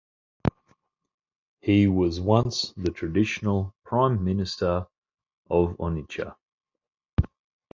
He was once the traditional Prime Minister of Onitsha.